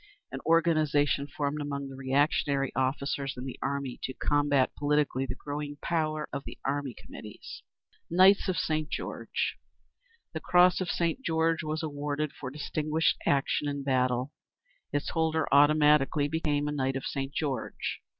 _ An organisation formed among the reactionary officers in the army to combat politically the growing power of the Army Committees. Knights of St. George. The Cross of St. George was awarded for distinguished action in battle. Its holder automatically became a _"Knight of St. George."